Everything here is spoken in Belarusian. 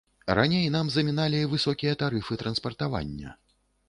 Раней нам заміналі высокія тарыфы транспартавання.